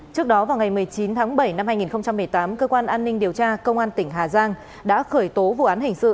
trước đó vào ngày một mươi chín tháng bảy năm hai nghìn một mươi tám cơ quan an ninh điều tra công an tỉnh hà giang đã khởi tố vụ án hình sự